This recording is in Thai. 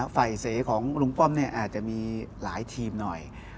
ฝ่ายเสียของลุงป้อมอาจจะมีหลายทีมหน่อย